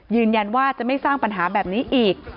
ยืนยันว่าจะไม่สร้างปัญหาแบบนี้อีก